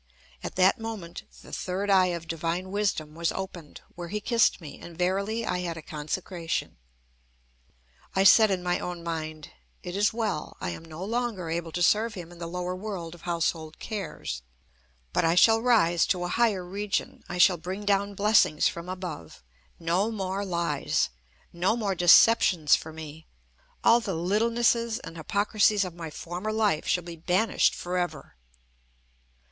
At that moment the third eye of divine wisdom was opened, where he kissed me, and verily I had a consecration. I said in my own mind: "It is well. I am no longer able to serve him in the lower world of household cares. But I shall rise to a higher region. I shall bring down blessings from above. No more lies! No more deceptions for me! All the littlenesses and hypocrisies of my former life shall be banished for ever!"